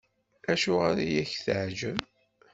Acuɣeṛ i ak-teɛǧeb?